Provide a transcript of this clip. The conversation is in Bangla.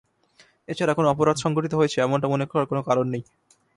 এছাড়া, কোনো অপরাধ সংঘটিত হয়েছে, এমনটা মনে করার কোনো কারণ নেই।